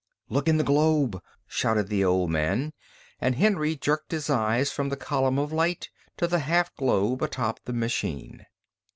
"Look in the globe!" shouted the old man; and Henry jerked his eyes from the column of light to the half globe atop the machine.